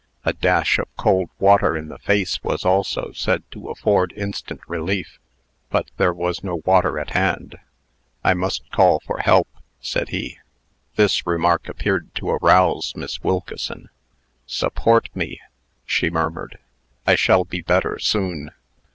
A dash of cold water in the face was also said to afford instant relief; but there was no water at hand. "I must call for help," said he. This remark appeared to arouse Miss Wilkeson. "Support me," she murmured. "I shall be better soon."